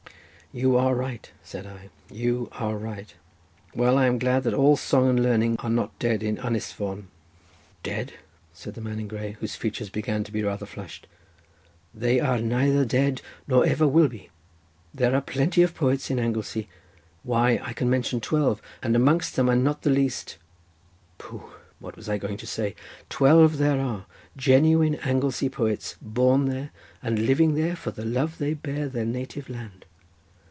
"You are right," said I, "you are right. Well, I am glad that all song and learning are not dead in Ynis Fon." "Dead," said the man in grey, whose features began to be rather flushed, "they are neither dead, nor ever will be. There are plenty of poets in Anglesey—why, I can mention twelve, and amongst them, and not the least—pooh, what was I going to say?—twelve there are, genuine Anglesey poets, born there, and living there for the love they bear their native land.